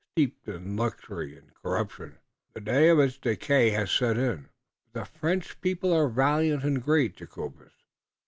Steeped in luxury und corruption, the day of its decay hass set in." "But the French people are valiant and great, Jacobus.